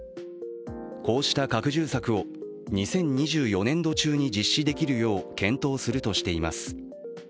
こうした拡充策を２０２４年度中に実施できるよう検討するとしています。